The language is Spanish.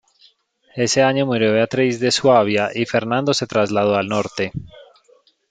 Ese año murió Beatriz de Suabia y Fernando se trasladó al norte.